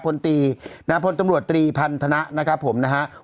พลตีพลตำรวจตรีพันธนะนะครับผมนะครับ